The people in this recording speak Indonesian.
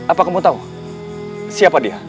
apa kamu tahu siapa dia